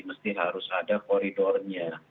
mesti harus ada koridornya